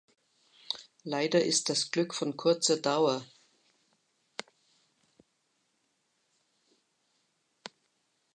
Leider ist das Glück von kurzer Dauer.